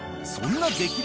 ［そんな激